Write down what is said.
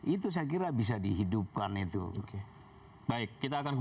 itu saya kira bisa dihidupkan itu